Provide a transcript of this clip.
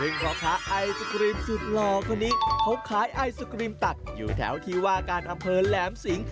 ซึ่งพ่อค้าไอศครีมสุดหล่อคนนี้เขาขายไอศกรีมตักอยู่แถวที่ว่าการอำเภอแหลมสิง